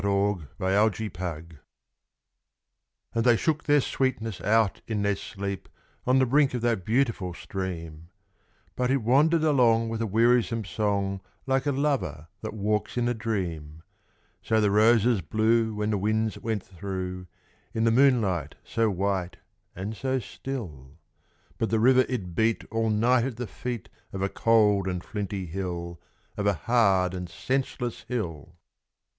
The River and the Hill And they shook their sweetness out in their sleep, On the brink of that beautiful stream, But it wandered along with a wearisome song Like a lover that walks in a dream: So the roses blew When the winds went through, In the moonlight so white and so still; But the river it beat All night at the feet Of a cold and flinty hill Of a hard and senseless hill!